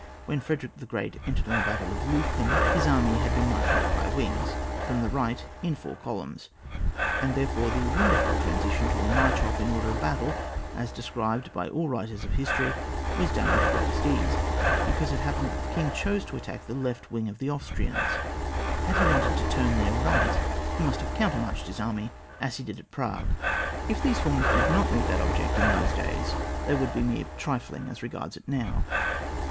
When Frederick the Great entered on the battle of Leuthen, his army had been marched off by wings from the right in four columns, therefore the wonderful transi tion to a march off in order of battle, as described by all writers of history, was done with the greatest ease, because it happened that the king chose to attack the left wing of the Austrians ; had he wanted to turn their right, he must have countermarched his army, as he did at Prague. If these forms did not meet that ob ject in those days, they would be mere trifling as regards it now.